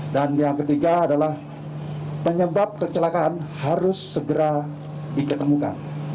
dan yang ketiga adalah penyebab kecelakaan harus segera ditemukan